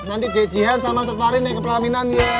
nanti jajian sama ustadz fahri naik ke pelaminan ya